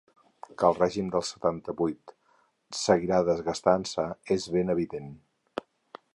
Que el regim del setanta-vuit seguirà desgastant-se és ben evident.